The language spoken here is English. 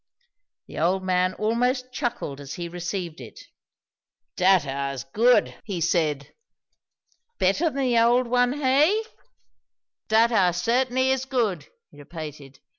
The old man almost chuckled as he received it. "Dat ar's good!" he said. "Better than the old one, hey?" "Dat ar certainly is good," he repeated.